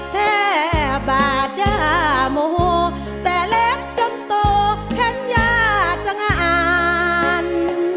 แท้บาดยามูแต่เล้งจนโตเพชรยาตงอ่าน